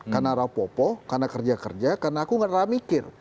karena rapopo karena kerja kerja karena aku gak ada mikir